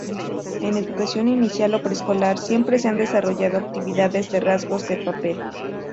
En educación inicial o preescolar, siempre se han desarrollado actividades de rasgado de papel.